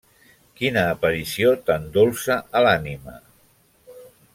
Quina aparició tan dolça a l'ànima!